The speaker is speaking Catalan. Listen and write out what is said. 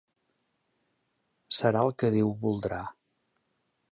Serà el que Déu voldrà.